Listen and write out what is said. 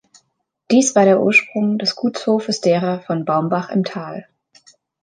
Dies war der Ursprung des Gutshofes derer von Baumbach im Tal.